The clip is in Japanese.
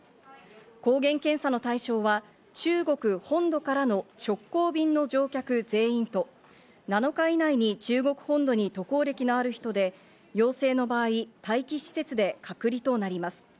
抗原検査の対象は中国本土からの直行便の乗客全員と７日以内に中国本土に渡航歴のある人で、陽性の場合、待機施設で隔離となります。